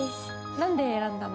何で選んだの？